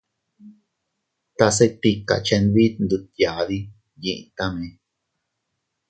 Tase tika chenbit ndutyadi yitame.